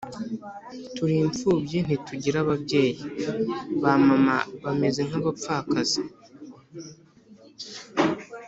Turi impfubyi ntitugira ababyeyi, Ba mama bameze nk’abapfakazi.